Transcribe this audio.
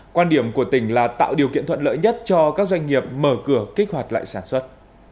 quan điểm của tỉnh là tạo điều kiện thuận lợi nhất cho các doanh nghiệp mở cửa kích hoạt lại sản xuất